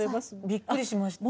びっくりしました。